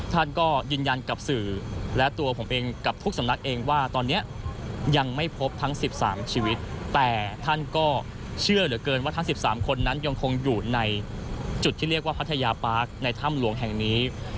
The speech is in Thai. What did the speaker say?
ท่านก็ยืนยันกับสื่อและตัวผมเองกับทุกสำนักเองว่าตอนนี้ยังไม่พบทั้ง๑๓ชีวิตแต่ท่านก็เชื่อเหลือเกินว่าทั้ง๑๓คนนั้นยังคงอยู่ในจุดที่เรียกว่าพัทยาปาร์คในถ้ำหลวงแห่งนี้